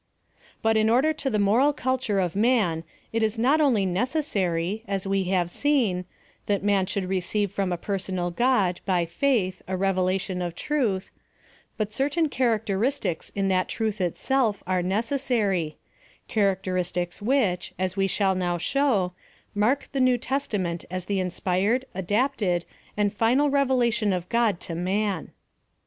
But in order to the moral culture of man it is not only necessary, as we l>ave seen, that man should receive from a personal God, by faith, a revelation of Truth ; but certain characteristics in that truth PLAN OF SALVATION. 279 itself are necessary — characteristics which, as we shall now show, mark the New Testament as the inspired, adapted, and final revelation of God to man.